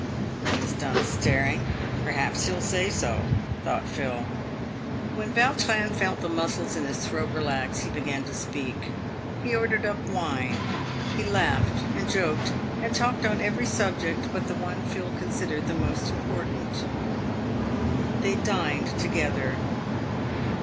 " "When he's done staring, perhaps he'll say so," thought Phil. When Yautrin felt the muscles in his throat relax, he began to speak. He ordered up wine. He laughed, and joked, and talked on every subject but the one Phil considered the most important. They dined together.